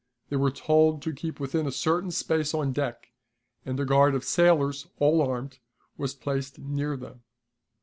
They were told to keep within a certain space on deck, and a guard of sailors, all armed, was placed near them.